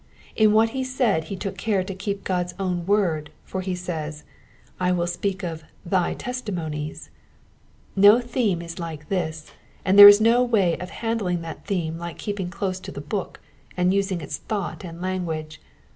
In what he said he took care to keep to God's own word, for he says, I will speak of thy testimonies,^^ No theme is like this, and there is no way of handling that theme like keeping close to the book, and using its thought and language.